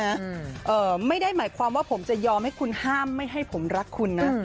เอ่อไม่ได้หมายความว่าผมจะยอมให้คุณห้ามไม่ให้ผมรักคุณนะ